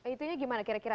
itunya gimana kira kira